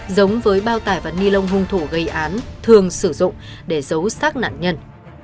giống với bao tải và nilon hung thủ gây án thường sử dụng để giấu xác nạn nhân